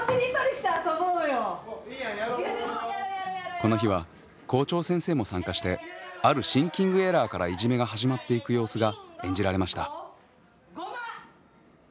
この日は校長先生も参加してあるシンキングエラーからいじめが始まっていく様子が演じられました。